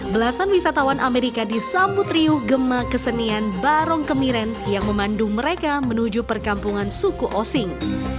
belasan wisatawan amerika disambut riuh gemah kesenian barong kemiren yang memandung mereka menuju perkampungan suko ossing